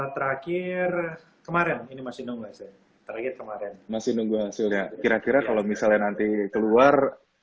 terakhir kemarin ini masih nunggu nggak sih terakhir kemarin masih nunggu hasilnya kira kira kalau misalnya nanti keluar